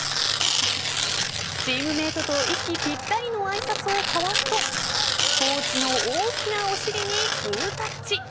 チームメートと息ぴったりの挨拶を交わすとコーチの大きなお尻にグータッチ。